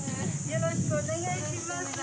よろしくお願いします